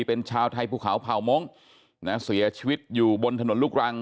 เป็นชาวไทยภูเขาเผ่ามงค์นะเสียชีวิตอยู่บนถนนลูกรัง